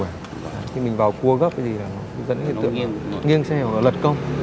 thì mình vào cua gấp thì dẫn cái tượng nghiêng xe lật công